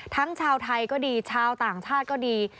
ชาวไทยก็ดีชาวต่างชาติก็ดี